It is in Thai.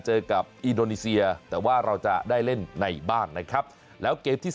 เจอกับอินโดนีเซียแต่ว่าเราจะได้เล่นในบ้านนะครับแล้วเกมที่